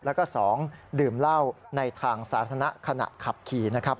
แล้วก็๒ดื่มเหล้าในทางสาธารณะขณะขับขี่นะครับ